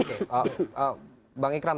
terima kasih bang ikram